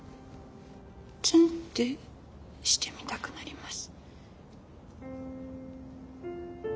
ツン！ってしてみたくなります。